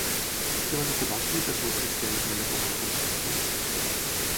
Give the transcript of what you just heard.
Què van ocupar els líders del cristianisme a l'època de Constantí?